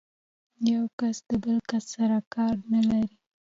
یو کس د بل کس سره کار نه لري.